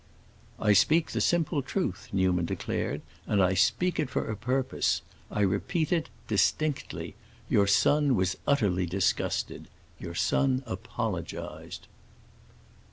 "I speak the simple truth," Newman declared, "and I speak it for a purpose. I repeat it—distinctly. Your son was utterly disgusted—your son apologized."